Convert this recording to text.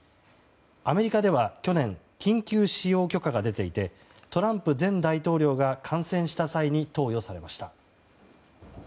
アメリカでは去年、緊急使用許可が出ていてトランプ前大統領が感染した際に投与されました。